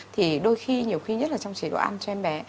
thì đôi khi nhiều khi nhất là trong chế độ ăn cho em bé